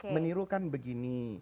meniru kan begini